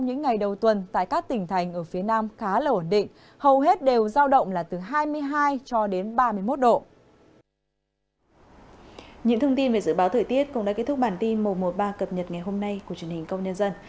những thông tin về dự báo thời tiết cũng đã kết thúc bản tin một trăm một mươi ba cập nhật ngày hôm nay của truyền hình công nhân dân